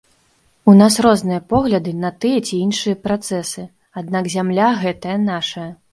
У нас розныя погляды на тыя ці іншыя працэсы, аднак зямля гэтая наша.